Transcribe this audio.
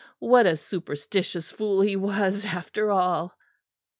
what a superstitious fool he was, after all!